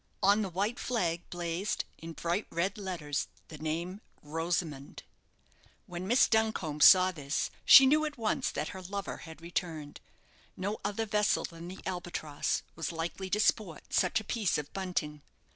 On the white flag blazed, in bright red letters, the name, "Rosamond!" When Miss Duncombe saw this, she knew at once that her lover had returned. No other vessel than the "Albatross" was likely to sport such a piece of bunting.